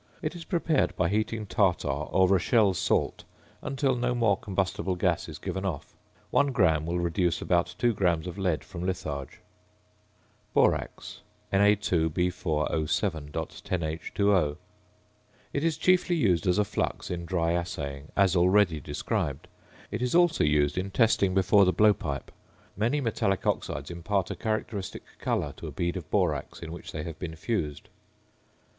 It is prepared by heating tartar or "rochelle salt" until no more combustible gas is given off. One gram will reduce about 2 grams of lead from litharge. ~Borax~, Na_B_O_.10H_O. It is chiefly used as a flux in dry assaying, as already described. It is also used in testing before the blowpipe; many metallic oxides impart a characteristic colour to a bead of borax in which they have been fused.